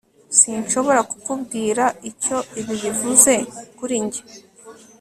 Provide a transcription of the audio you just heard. sinshobora kukubwira icyo ibi bivuze kuri njye